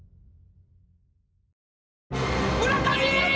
村上！